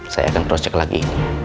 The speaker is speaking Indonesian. saya akan terus cek lagi